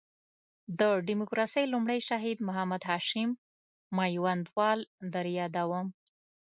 د ډیموکراسۍ لومړی شهید محمد هاشم میوندوال در یادوم.